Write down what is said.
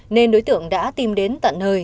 nên đối tượng đã tìm đến tận hơi